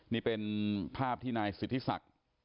นี่เป็นภาพที่นายสิทธิศักดิ์